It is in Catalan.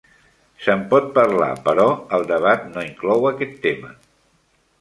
Se'n pot parlar, però el debat no inclou aquest tema.